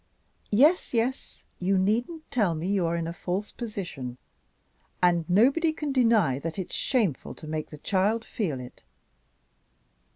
Yes, yes, you needn't tell me you are in a false position; and nobody can deny that it's shameful to make the child feel it.